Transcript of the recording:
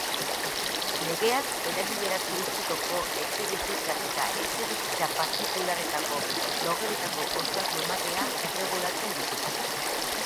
Legeak erabilera turistikoko etxebizitzak eta etxebizitza partikularretako logeletako ostatu ematea erregulatzen ditu.